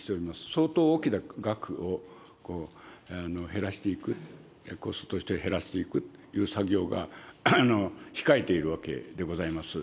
相当大きな額を減らしていく、コストとして減らしていくという作業が控えているわけでございます。